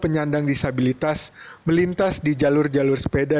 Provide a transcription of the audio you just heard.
penyandang disabilitas melintas di jalur jalur sepeda